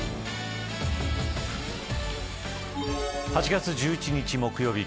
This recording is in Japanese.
８月１１日、木曜日